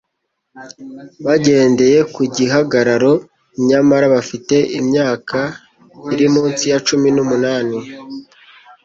bagendeye ku gihagararo nyamara bafite imyaka iri munsi ya cumi numunani